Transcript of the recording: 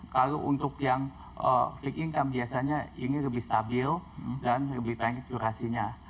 kalau untuk yang flick income biasanya ini lebih stabil dan lebih banyak durasinya